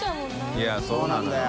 いそうなんだよ。